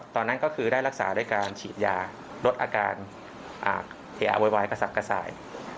ตอนนั้นก็คือได้รักษาด้วยการฉีดยาลดอาการเออโวยวายกระสับกระส่าย